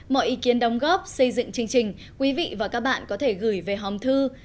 mọi ý kiến đóng góp xây dựng chương trình quý vị và các bạn có thể gửi về hòm thư